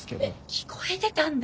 聞こえてたんだ。